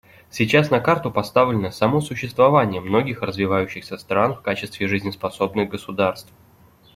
Сейчас на карту поставлено само существование многих развивающихся стран в качестве жизнеспособных государств.